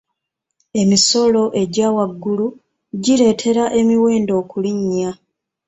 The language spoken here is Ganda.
Emisolo egya waggulu gireetera emiwendo okulinnya.